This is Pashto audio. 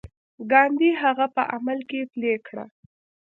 ګاندي هغه په عمل کې پلي کړه.